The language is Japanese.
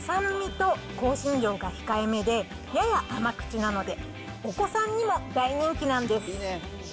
酸味と香辛料が控えめで、やや甘口なので、お子さんにも大人気なんです。